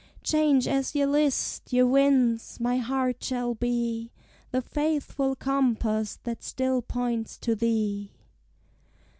Change as ye list, ye winds; my heart shall be The faithful compass that still points to thee.